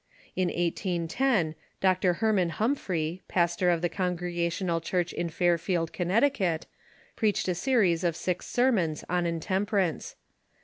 In 1810, Dr. Heman Humphrey, pastor of the Con gregational Church in Fairfield, Connecticut, preached a se ries of six sermons on intemperance.